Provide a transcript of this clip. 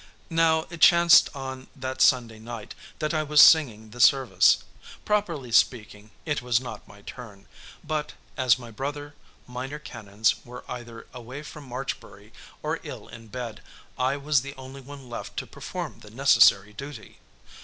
Now it chanced on that Sunday that I was singing the service. Properly speaking, it was not my turn; but, as my brother minor canons were either away from Marchbury or ill in bed, I was the only one left to perform the necessary duty.